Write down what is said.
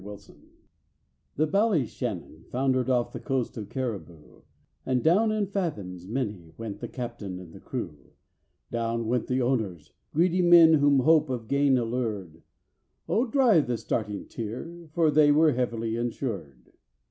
THE Ballyshannon foundered off the coast of Cariboo, And down in fathoms many went the captain and the crew; Down went the owners—greedy men whom hope of gain allured: Oh, dry the starting tear, for they were heavily insured.